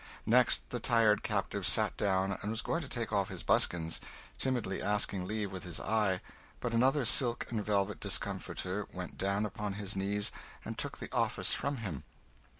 Next the tired captive sat down and was going to take off his buskins, timidly asking leave with his eye, but another silk and velvet discomforter went down upon his knees and took the office from him.